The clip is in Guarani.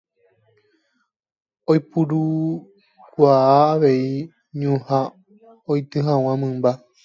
Oipurukuaa avei ñuhã oity hag̃ua mymba.